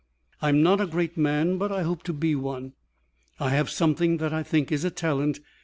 I'm not a great man, but I hope to be one. I have something that I think is a talent.